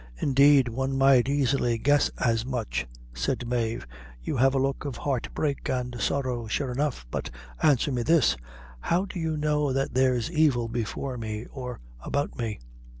"Indeed, one might easily guess as much," said Mave, "you have a look of heart break and sorrow, sure enough. But answer me this: how do you know that there's evil before me or, about me?'